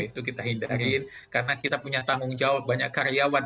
itu kita hindarin karena kita punya tanggung jawab banyak karyawan